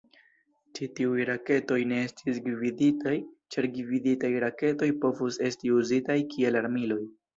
Ĉi tiuj raketoj ne estis gviditaj, ĉar gviditaj raketoj povus esti uzitaj kiel armiloj.